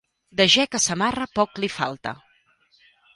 De gec a samarra, poc li falta.